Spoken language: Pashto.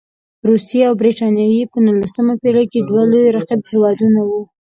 روسیې او برټانیې په نولسمه پېړۍ کې دوه لوی رقیب هېوادونه وو.